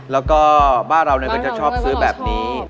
แล้วก็บ้านเราก็จะชอบซื้อแบบนี้